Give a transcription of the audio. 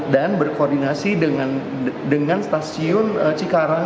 dan berkoordinasi dengan stasiun cikarang